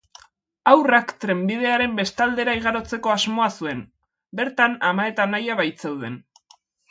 Haurrak trenbidearen bestaldera igarotzeko asmoa zuen, bertan ama eta anaia baitzeuden.